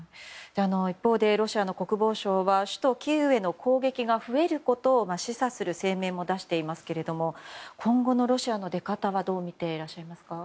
一方で、ロシア国防省は首都キーウへの攻撃が増えることを示唆する声明も出していますが今後のロシアの出方はどう見ていらっしゃいますか。